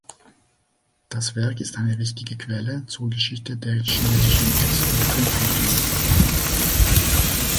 Das Werk ist eine wichtige Quelle zur Geschichte der chinesischen Ess- und Trinkkultur.